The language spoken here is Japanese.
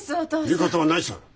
いいことはないさ。